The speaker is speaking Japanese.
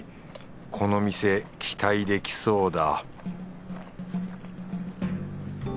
この店期待できそうだ